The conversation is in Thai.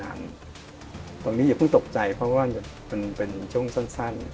ตรงนี้อย่าเพิ่งตกใจเพราะว่ามันเป็นช่วงสั้น